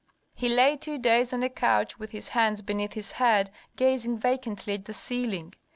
He lay two days on a couch with his hands beneath his head gazing vacantly at the ceiling.